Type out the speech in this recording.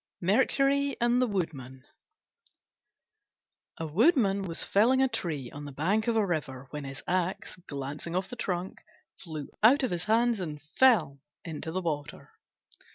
MERCURY AND THE WOODMAN A Woodman was felling a tree on the bank of a river, when his axe, glancing off the trunk, flew out of his hands and fell into the water.